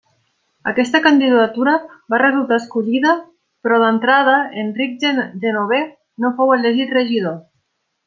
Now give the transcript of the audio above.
Aquesta candidatura va resultar escollida, però d'entrada Enric Genover no fou elegit regidor.